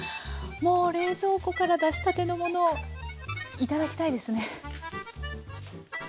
もう冷蔵庫から出したてのものを頂きたいですね。